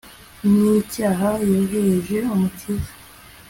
n'icyaha, yohereje umukiza